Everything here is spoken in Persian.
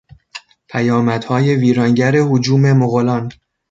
پیامدهای ویرانگر هجوم مغولان